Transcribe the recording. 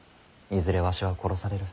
いずれわしは殺される。